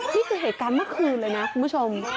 นี่คือเหตุการณ์เมื่อคืนเลยนะคุณผู้ชม